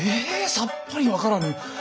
さっぱり分からぬ！